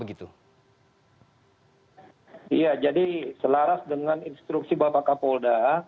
iya jadi selaras dengan instruksi bapak kapolda